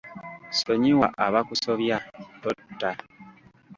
Sonyiwa abakusobya, totta.